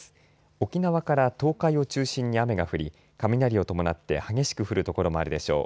沖縄から東海を中心に雨が降り雷を伴って激しく降る所もあるでしょう。